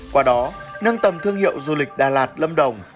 qua đó nâng tầm thương hiệu du lịch đà lạt lâm đồng